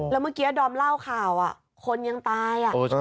แล้วเมื่อกี้ดอมเล่าข่าวคนยังตาย